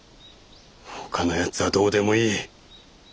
ほかのやつはどうでもいい。